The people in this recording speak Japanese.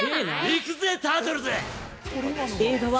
行くぜ、タートルズ！